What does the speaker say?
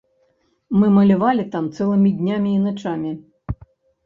Мы малявалі там цэлымі днямі і начамі.